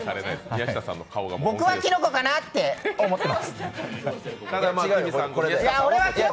僕は、きのこかなって思ってます！